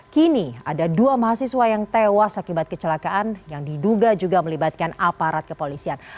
kini ada dua mahasiswa yang tewas akibat kecelakaan yang diduga juga melibatkan aparat kepolisian